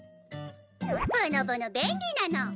ぼのぼの便利なの。